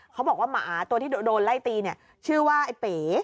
เขาบอกว่าหมาตัวที่โดนไล่ตีเนี่ยชื่อว่าไอ้เป๋